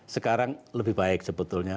sekarang lebih baik sebetulnya